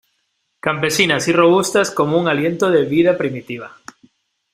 campesinas y robustas como un aliento de vida primitiva.